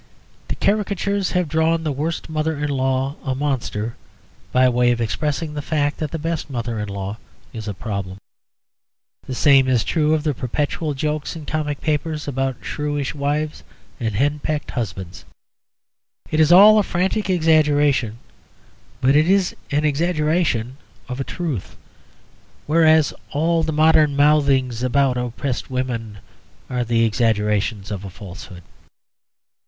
The caricatures have drawn the worst mother in law a monster, by way of expressing the fact that the best mother in law is a problem. The same is true of the perpetual jokes in comic papers about shrewish wives and henpecked husbands. It is all a frantic exaggeration, but it is an exaggeration of a truth; whereas all the modern mouthings about oppressed women are the exaggerations of a falsehood.